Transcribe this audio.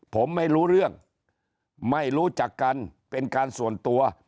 ผมไม่รู้เรื่องไม่รู้จักกันเป็นการส่วนตัว